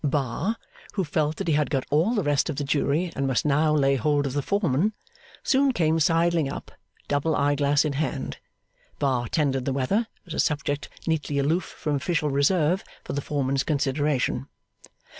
Bar, who felt that he had got all the rest of the jury and must now lay hold of the Foreman, soon came sidling up, double eye glass in hand. Bar tendered the weather, as a subject neatly aloof from official reserve, for the Foreman's consideration.